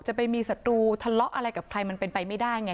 ไปมีศัตรูทะเลาะอะไรกับใครมันเป็นไปไม่ได้ไง